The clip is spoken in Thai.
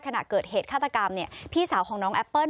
ขณะเกิดเหตุฆาตกรรมพี่สาวของน้องแอปเปิ้ล